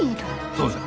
そうじゃ。